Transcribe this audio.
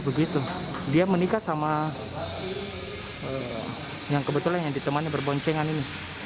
begitu dia menikah sama yang kebetulan yang ditemani berboncengan ini